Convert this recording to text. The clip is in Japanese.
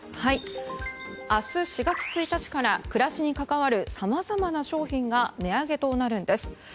明日、４月１日から暮らしに関わるさまざまな商品が値上げとなるんです。